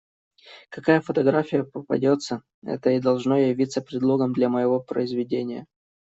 Какая фотография попадется, это и должно явиться предлогом для моего произведения.